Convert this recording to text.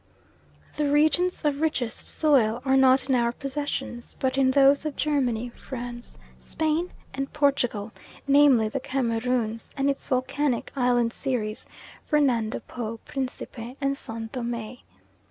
The regions of richest soil are not in our possessions, but in those of Germany, France, Spain, and Portugal, namely, the Cameroons and its volcanic island series, Fernando Po, Principe, and San Thome.